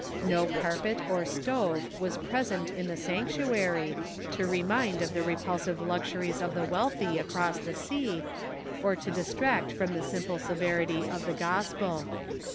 No carpet or stove was present in the sanctuary, to remind of the repulsive luxuries of the wealthy across the sea, or to distract from the simple severity of the gospel.